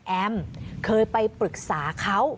แอมเคยไปปรึกษาเขา